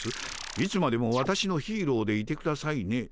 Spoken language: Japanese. いつまでもわたしのヒーローでいてくださいねだと？